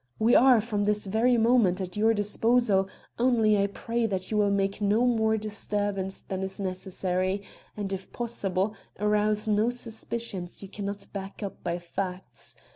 We are, from this very moment, at your disposal; only I pray that you will make no more disturbance than is necessary, and, if possible, arouse no suspicions you can not back up by facts.